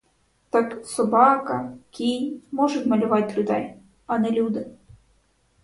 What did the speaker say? Так собака, кінь можуть малювать людей, а не люди.